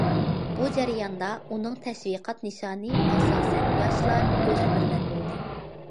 بۇ جەرياندا ئۇنىڭ تەشۋىقات نىشانى ئاساسەن ياشلار، ئۆسمۈرلەر بولدى.